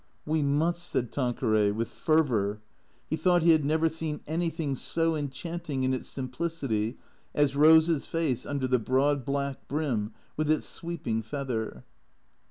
" We must," said Tanqueray, with fervour. He thought he had never seen anything so enchanting in its simplicity as Eose's face under the broad black brim with its sweeping feather.